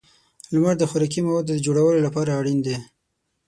• لمر د خوراکي موادو د جوړولو لپاره اړین دی.